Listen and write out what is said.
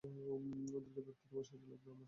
ওদেরকে ধরতে তোমার সাহায্য লাগবে আমার।